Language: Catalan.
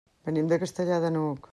Venim de Castellar de n'Hug.